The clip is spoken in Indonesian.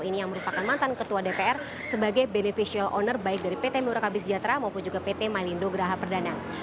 ini yang merupakan mantan ketua dpr sebagai beneficial owner baik dari pt murakabi sejahtera maupun juga pt mailindo geraha perdana